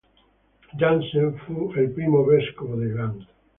Jansen fu il primo vescovo di Gand.